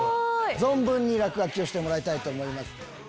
存分に落書きをしてもらいたいと思います。